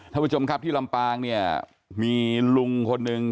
ท่านผู้ชมครับที่ลำปางเนี่ยมีลุงคนหนึ่ง